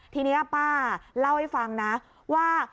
ทีนี้ป้าเล่าให้ฟังนะว่า